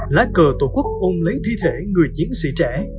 lá cờ tổ quốc ôn lấy thi thể người chiến sĩ trẻ